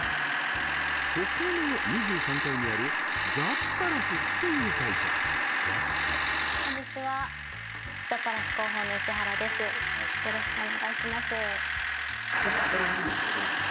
ここの２３階にあるザッパラスっていう会社こんにちはザッパラス広報の石原です